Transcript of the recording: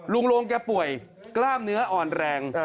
ลุงโรงแกป่วยกล้ามเนื้ออ่อนแรง